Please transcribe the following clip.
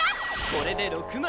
これで６枚！